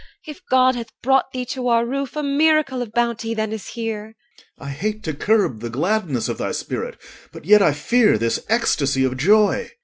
If God hath brought thee to our roof, A miracle of bounty then is here. OR. I hate to curb the gladness of thy spirit, But yet I fear this ecstasy of joy.